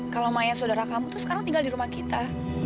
kalau mayat saudara kamu tuh sekarang tinggal di rumah kita